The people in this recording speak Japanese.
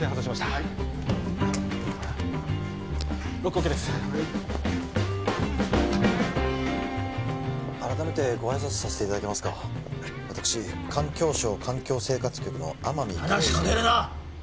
はいロックＯＫですはい改めてご挨拶させていただけますか私環境省・環境生活局の天海話しかけるな！